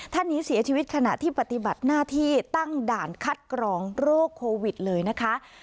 ท่านนี้เสียชีวิตขณะที่ปฏิบัติหน้าที่ตั้งด่านคัดกรองโรคโควิดเลยนะคะ